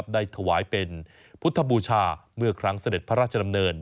ได้ถวายเป็นพุทธบูชาเมื่อครั้งเสด็จพระราชดำเนิน